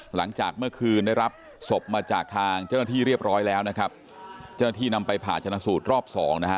หลังจากเมื่อคืนได้รับศพมาจากทางเจ้าหน้าที่เรียบร้อยแล้วนะครับเจ้าหน้าที่นำไปผ่าชนะสูตรรอบสองนะฮะ